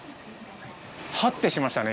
ハッてしましたね